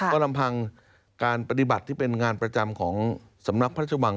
ก็ลำพังการปฏิบัติที่เป็นงานประจำของสำนักพระราชวัง